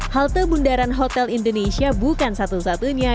halte bundaran hotel indonesia bukan satu satunya